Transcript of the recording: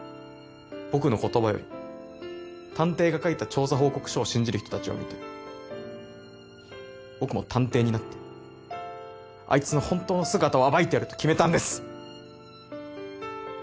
僕の言葉より探偵が書いた調査報告書を信じる人たちを見て僕も探偵になってあいつの本当の姿を暴いてやると決めたんです。